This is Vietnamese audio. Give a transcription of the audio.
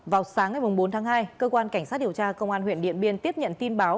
vào sáng ngày bốn tháng hai cơ quan cảnh sát điều tra công an huyện điện biên tiếp nhận tin báo